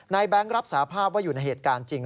แบงค์รับสาภาพว่าอยู่ในเหตุการณ์จริง